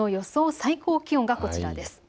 最高気温がこちらです。